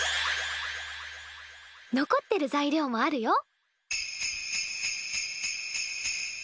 残ってる材料もあるよ。